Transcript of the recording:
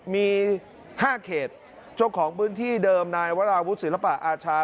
มีห้าเขตช่วงของพื้นที่เดิมนายวัตราวุทธศิลปะอาชา